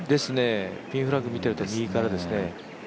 ピンフラッグ見ていると右からですね。